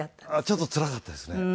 ちょっとつらかったですね。